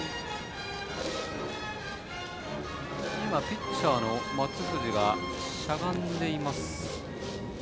ピッチャーの松藤がしゃがんでいます。